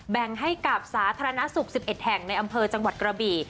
แบ่งให้กับสาธารณสุข๑๑แห่งในอำเภอจังหวัดกระบี่